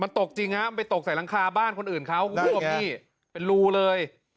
มันตกจริงฮะมันไปตกใส่หลังคาบ้านคนอื่นเขาเป็นรูเลย